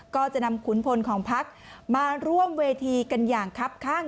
ก็จะนำขุนพลของพักมาร่วมเวทีกันอย่างครับข้าง